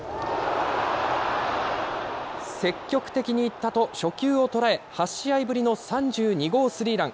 積極的にいったと、初球を捉え、８試合ぶりの３２号スリーラン。